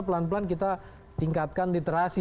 pelan pelan kita tingkatkan literasi